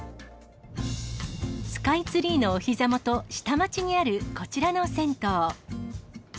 スカイツリーのおひざ元、下町にあるこちらの銭湯。